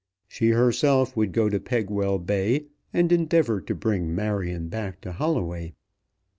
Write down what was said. She herself would go to Pegwell Bay, and endeavour to bring Marion back to Holloway.